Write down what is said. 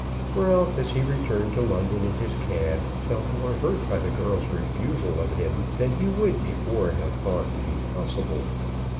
Ralph, as he returned to London in his cab, felt more hurt by the girl's refusal of him than he would before have thought to be possible.